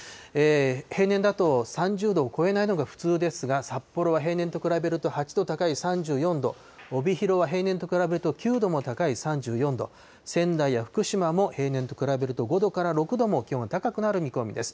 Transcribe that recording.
平年だと、３０度を超えないのが普通ですが、札幌は平年と比べると８度高い３４度、帯広は平年と比べると９度も高い３４度、仙台や福島も、平年と比べると５度から６度も気温が高くなる見込みです。